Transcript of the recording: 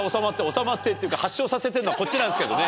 治まってっていうか発症させてるのはこっちなんですけどね。